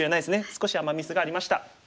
少しアマ・ミスがありました。